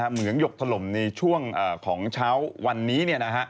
เมืองหยกถล่มในช่วงของเช้าวันนี้